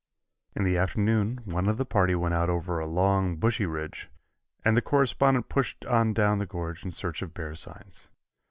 In the afternoon one of the party went out over a long, brushy ridge, and the correspondent pushed on down the gorge in search of bear signs.